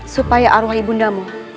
supaya arwah ibu ndamu